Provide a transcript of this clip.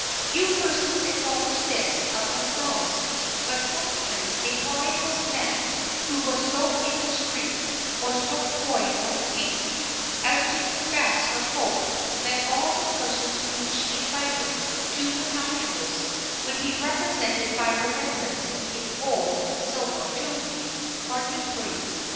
Few persons acknowledge this of themselves, but sometimes a bride was met who was so indiscreet or so void of taste as to confess her hope that all the persons whom she invited to her nuptials would be represented by remembrances in gold, silver, jewelry or napery.